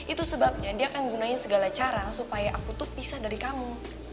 itu sebabnya dia akan gunain segala cara supaya aku tuh pisah dari kamu